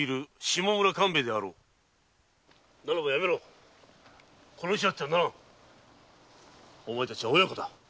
ならばやめろ殺し合ってはならぬお前たちは親子だ。